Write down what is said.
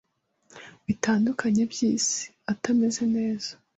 bitendukenye by’isi itmeze neze